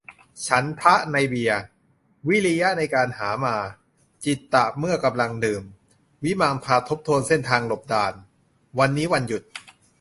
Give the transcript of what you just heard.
ฉันทะ-ในเบียร์ วิริยะ-ในการหามา จิตตะ-เมื่อกำลังดื่ม วิมังสา-ทบทวนเส้นทางหลบด่าน วันนี้วันหยุด